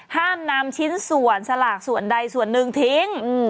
ห้ามนำชิ้นส่วนสลากส่วนใดส่วนหนึ่งทิ้ง